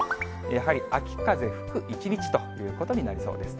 やはり秋風吹く一日ということになりそうです。